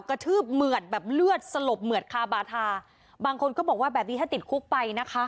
ทืบเหมือดแบบเลือดสลบเหมือดคาบาทาบางคนก็บอกว่าแบบนี้ถ้าติดคุกไปนะคะ